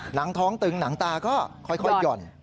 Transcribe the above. หนังท้องตึงหนังตาก็ค่อยหย่อน